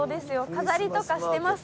飾りとかしてます？